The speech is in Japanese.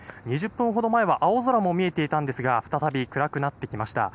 ２０分ほど前は青空も見えていたんですが再び暗くなってきました。